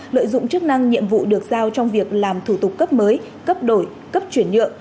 lợi dụng chức năng nhiệm vụ được giao trong việc làm thủ tục cấp mới cấp đổi cấp chuyển nhượng